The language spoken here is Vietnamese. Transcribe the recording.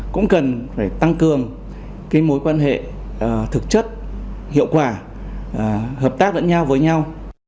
cũng cần tăng cường mối quan hệ thực chất hiệu quả hợp tác với nhau